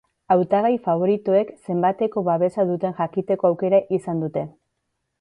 Hautagai faboritoek zenbateko babesa duten jakiteko aukera izan dute.